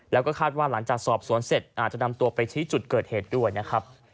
แล้วก็คาดว่าหลังจากสอบสวนเสร็จอาจจะนำตัวไปชี้จุดเกิดเหตุด้วยนะครับ